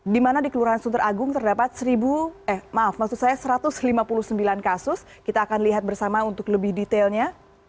dimana di kelurahan sunteragung terdapat satu ratus lima puluh sembilan kasus kita akan lihat bersama untuk lebih detailnya